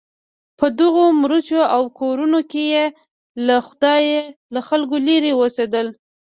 په دغو مورچو او کورونو کې یې له خلکو لرې اوسېدل.